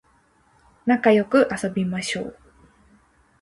なかよく遊びましょう